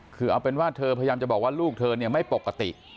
คือเอาเป็นว่าเธอพยายามจะบอกว่าลูกเธอเนี่ยไม่ปกติ